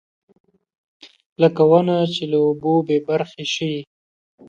لکه ونه چې له اوبو بېبرخې شي.